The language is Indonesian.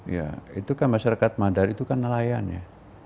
ya itu kan masyarakat madar itu kan nelayan ya